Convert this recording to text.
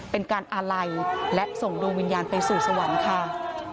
เป็นการอาลัยและส่งดวงวิญญาณไปสู่สวรรค์ค่ะ